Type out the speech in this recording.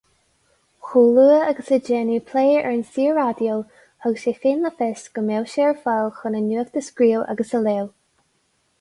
Chomh luath agus a déanadh plé ar an Saor-Raidió, thug sé féin le fios go mbeadh sé ar fáil chun an nuacht a scríobh agus a léamh.